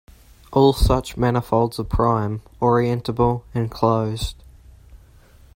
All such manifolds are prime, orientable, and closed.